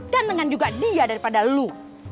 kan dengan juga dia daripada lo